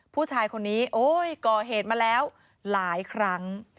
ผู้ชายคนนี้โอ้ยก่อเหตุมาแล้วหลายครั้ง